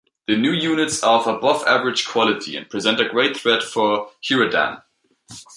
The new units are of above-average quality and present a great threat for Heradan.